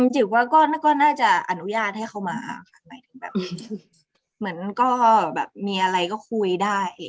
จริงว่าก็น่าจะอนุญาตให้เขามาเหมือนก็มีอะไรก็คุยได้